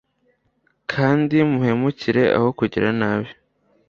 kandi muherukire aho kugira nabi